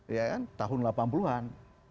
ya kan tahun delapan puluh an